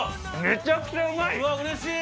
めちゃくちゃうまい！